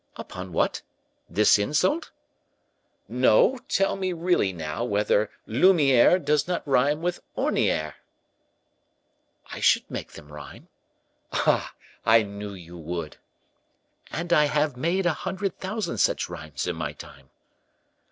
"Upon what? this insult?" "No; tell me really now whether lumiere does not rhyme with orniere." "I should make them rhyme." "Ah! I knew you would." "And I have made a hundred thousand such rhymes in my time."